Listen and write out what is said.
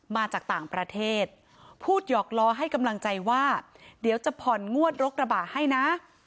มาจากต่างประเทศพูดหยอกล้อให้กำลังใจว่าเดี๋ยวจะผ่อนงวดรกระบะให้นะ